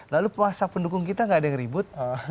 lalu kuasa pendukung kita gak ada yang ribut